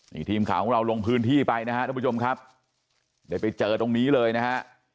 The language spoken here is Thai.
นี่ทีมข่าวของเราลงพื้นที่ไปนะครับทุกผู้ชมครับได้ไปเจอตรงนี้เลยนะฮะ